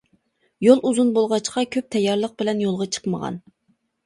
-يۇل ئۇزۇن بولغاچقا، كۆپ تەييارلىق بىلەن يولغا چىقمىغان.